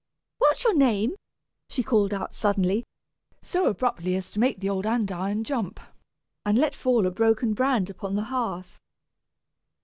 What's your name?" she suddenly called out, so abruptly as to make the old andiron jump, and let fall a broken brand upon the hearth.